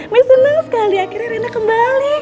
pak senang sekali akhirnya rena kembali